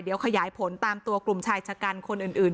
เดี๋ยวขยายผลตามตัวกลุ่มชายชะกันคนอื่น